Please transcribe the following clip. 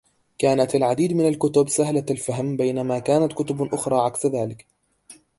كانت العديد من الكتب سهلة الفهم بينما كانت كتب اخرى عكس ذلك